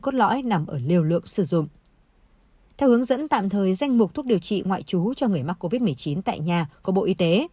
theo hướng dẫn tạm thời danh mục thuốc điều trị ngoại trú cho người mắc covid một mươi chín tại nhà của bộ y tế